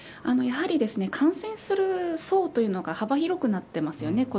やはり感染する層というのが幅広くなっていますよね。